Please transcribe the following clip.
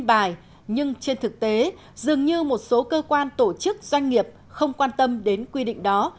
nhưng trên thực tế dường như một số cơ quan tổ chức doanh nghiệp không quan tâm đến quy định đó